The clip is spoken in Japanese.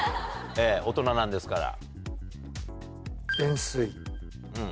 大人なんですから。